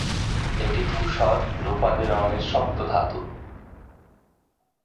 এটি ধূসর-রূপালি রঙের শক্ত ধাতু।